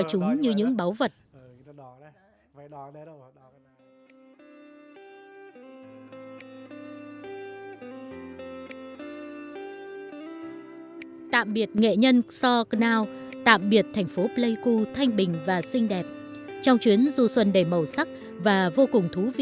cái sự mình tập được